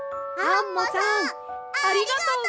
ありがとう！